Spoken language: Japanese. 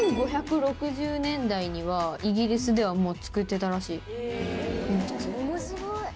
１５６０年代には、イギリスではもう作ってたらしい。